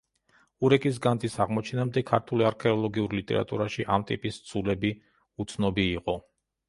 ურეკის განძის აღმოჩენამდე ქართულ არქეოლოგიურ ლიტერატურაში ამ ტიპის ცულები უცნობი იყო.